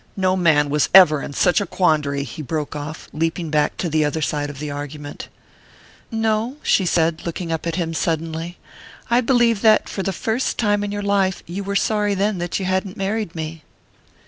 No man was ever in such a quandary!" he broke off, leaping back to the other side of the argument. "No," she said, looking up at him suddenly. "I believe that, for the only time in your life, you were sorry then that you hadn't married me."